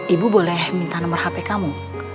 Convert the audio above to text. ibu boleh minta nomor hp kamu